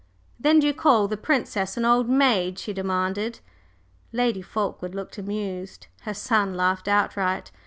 "Then do you call the Princess an old maid?" she demanded. Lady Fulkeward looked amused; her son laughed outright.